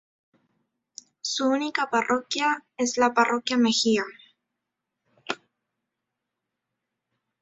Su única parroquia es la parroquia Mejía.